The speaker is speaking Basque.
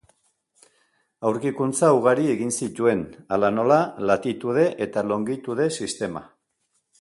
Aurkikuntza ugari egin zituen, hala nola, latitude eta longitude sistema.